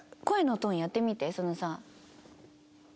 声のトーンやってみてそのさ。